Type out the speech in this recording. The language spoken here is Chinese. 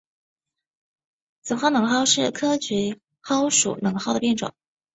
紫花冷蒿是菊科蒿属冷蒿的变种。